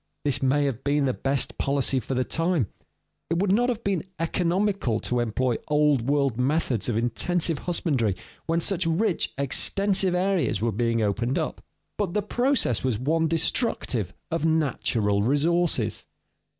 This may have been the best policy for the time; it would not have been economical to employ Old World methods of intensive husbandry when such rich extensive areas were being opened up. But the process was one destructive of natural resources.